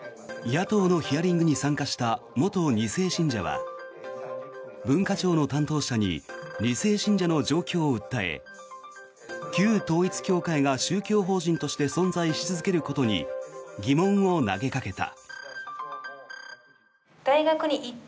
野党のヒアリングに参加した元２世信者は文化庁の担当者に２世信者の状況を訴え旧統一教会が宗教法人として存在し続けることに疑問を投げかけた。